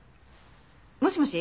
もしもし？